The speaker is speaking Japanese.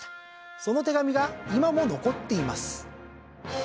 その手紙が今も残っています。